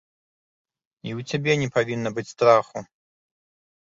І ў цябе не павінна быць страху.